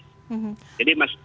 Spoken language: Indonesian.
jadi masyarakat dari luar kota